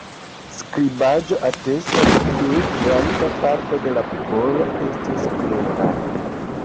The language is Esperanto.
Skribaĵoj atestas, ke granda parto de la popolo estis klera.